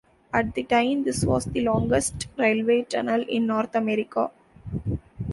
At the time, this was the longest railway tunnel in North America.